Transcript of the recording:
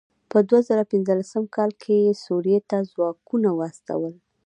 په دوه زره پنځلسم کال کې یې سوريې ته ځواکونه واستول.